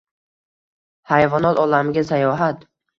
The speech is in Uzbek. Hayvonot olamiga sayohat